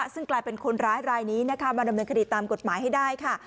ซึ่งกลายเป็นคนร้ายรายนี้นะคะมาดำเนินคดีตามกฎหมายให้ได้ค่ะ